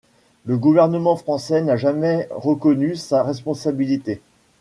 Le gouvernement français n'a jamais reconnu sa responsabilité.